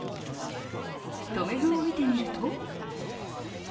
留め具を見てみると。